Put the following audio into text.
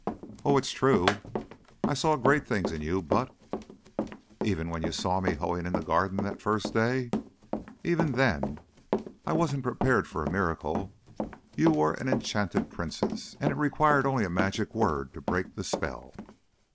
"Oh, it's true! I saw great things in you, but " "Even when you saw me hoeing in the garden that first day?" "Even then; but I wasn't prepared for a miracle. You were an enchanted princess, and it required only a magic word to break the spell."